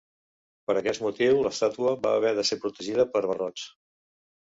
Per aquest motiu l'estàtua va haver de ser protegida per barrots.